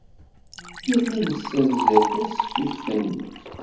Nella nessazzal tasfift-nni.